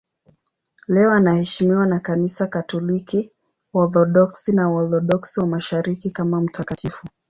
Leo anaheshimiwa na Kanisa Katoliki, Waorthodoksi na Waorthodoksi wa Mashariki kama mtakatifu.